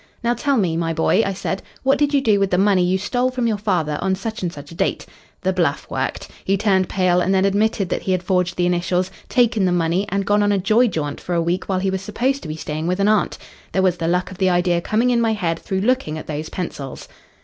'Now, tell me, my boy,' I said, 'what did you do with the money you stole from your father on such and such a date?' The bluff worked. He turned pale, and then admitted that he had forged the initials, taken the money, and gone on a joy jaunt for a week while he was supposed to be staying with an aunt. There was the luck of the idea coming in my head through looking at those pencils."